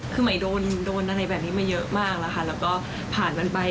คือหมายโดนอะไรแบบนี้มาเยอะมากแล้วก็ผ่านมันไป